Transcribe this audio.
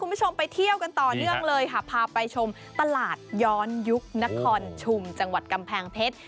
คุณผู้ชมไปเที่ยวกันต่อเนื่องเลยค่ะพาไปชมตลาดย้อนยุคนครชุมจังหวัดกำแพงเพชร